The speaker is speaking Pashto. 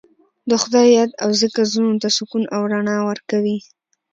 د خدای یاد او ذکر زړونو ته سکون او رڼا ورکوي.